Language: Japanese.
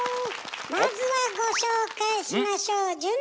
まずはご紹介しましょう。